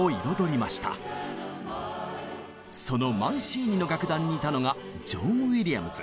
そのマンシーニの楽団にいたのがジョン・ウィリアムズ。